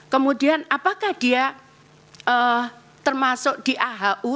kemudian apakah dia termasuk di ahu